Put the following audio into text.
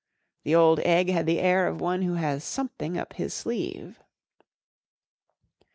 The old egg had the air of one who lias something up his sleeve.